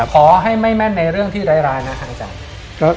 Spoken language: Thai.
ขอให้ไม่แม่นในเรื่องที่ร้ายนะทางอาจารย์